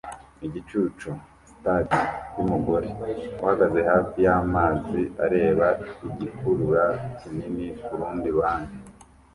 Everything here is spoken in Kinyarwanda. igicucu sitade yumugore uhagaze hafi yamazi areba igikurura kinini kurundi ruhande